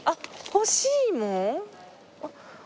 干し芋や。